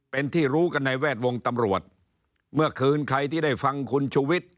เป็นที่รู้กันในแวดวงตำรวจเมื่อคืนใครที่ได้ฟังคุณชุวิต